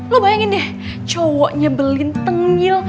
lo bayangin deh cowoknya belin tenggil